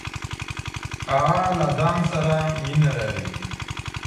هغه له ځان سره مينه لري.